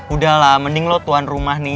udah lah mending lo tuan rumah nih